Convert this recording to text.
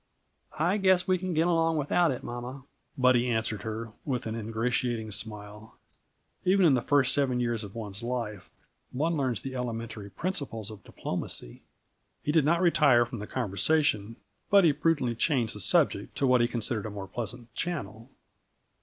"I guess we can get along without it, mamma," Buddy answered her, with an ingratiating smile. Even in the first seven years of one's life, one learns the elementary principles of diplomacy. He did not retire from the conversation, but he prudently changed the subject to what he considered a more pleasant channel.